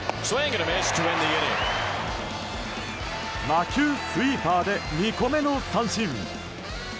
魔球スイーパーで２個目の三振。